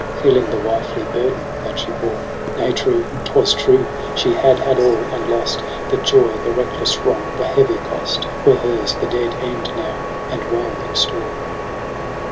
Feeling the wifely burden that she bore. Nay, true, 'twas true. She had had all and lost ; The joy, the recldess wrong, the heavy cost Were hers, the dead end now, and woe in store.